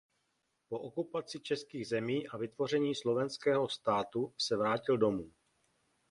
Po okupaci českých zemí a vytvoření Slovenského státu se vrátil domů.